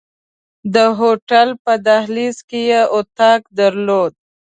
د هوټل په دهلیز کې یې اتاق درلود.